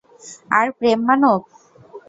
আর প্রেম মানব?